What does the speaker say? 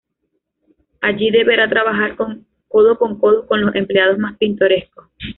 Allí, deberá trabajar codo con codo con los empleados más pintorescos.